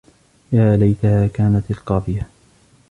يَا لَيْتَهَا كَانَتِ الْقَاضِيَةَ